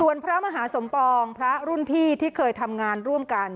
ส่วนพระมหาสมปองพระรุ่นพี่ที่เคยทำงานร่วมกัน